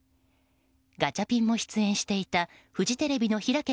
ガチャピンも出演していたフジテレビの「ひらけ！